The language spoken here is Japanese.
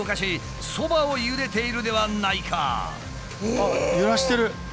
あっ揺らしてる。